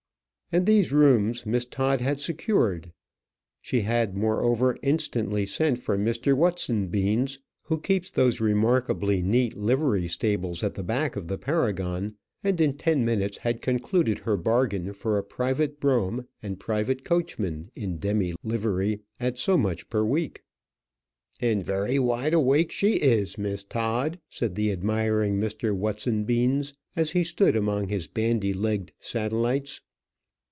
And these rooms Miss Todd had secured. She had, moreover, instantly sent for Mr. Wutsanbeans, who keeps those remarkably neat livery stables at the back of the Paragon, and in ten minutes had concluded her bargain for a private brougham and private coachman in demi livery at so much per week. "And very wide awake she is, is Miss Todd," said the admiring Mr. Wutsanbeans, as he stood among his bandy legged satellites.